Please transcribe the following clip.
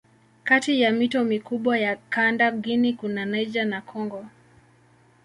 Kati ya mito mikubwa ya kanda Guinea kuna Niger na Kongo.